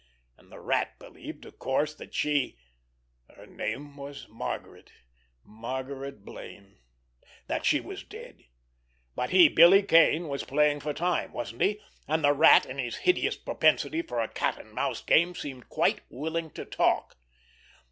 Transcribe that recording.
And the Rat believed, of course, that she—her name was Margaret—Margaret Blaine—that she was dead. But he, Billy Kane, was playing for time, wasn't he? And the Rat, in his hideous propensity for a cat and mouse game, seemed quite willing to talk.